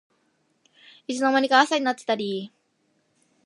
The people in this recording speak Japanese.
いつの間にか朝になってたり